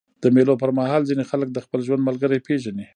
د مېلو پر مهال ځيني خلک د خپل ژوند ملګری پېژني.